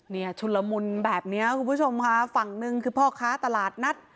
ชุนละมุนแบบนี้คุณผู้ชมค่ะฝั่งหนึ่งคือพ่อค้าตลาดนัด